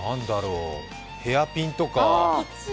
ヘアピンとか？